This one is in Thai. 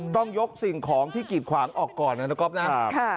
ต้องยกสิ่งของที่กิดขวางออกก่อนนะนะครับครับครับ